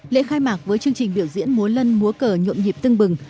lễ khai mạc với chương trình biểu diễn múa lân múa cờ nhộn nhịp tưng bừng